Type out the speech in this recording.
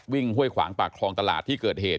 วิ่งเฮ้ยขวางปากคลองตลาดที่เกิดเหตุ